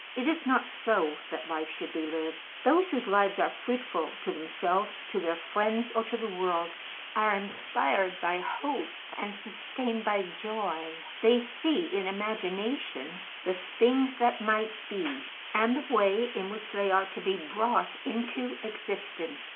It is not so that life should be lived. Those whose lives are fruitful to themselves, to their friends, or to the world are inspired by hope and sustained by joy: they see in imagination the things that might be and the way in which they are to be brought into existence.